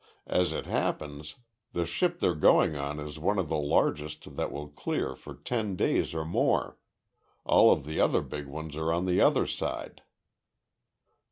As it happens, the ship they're going on is one of the largest that will clear for ten days or more. All of the other big ones are on the other side."